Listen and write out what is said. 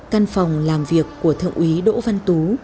căn phòng làm việc của thượng úy đỗ văn tú